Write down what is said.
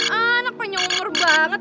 anak penyumur banget